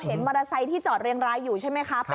เห็นมอเทศที่จอดเรียนร้ายอยู่ใช่ไหมครับ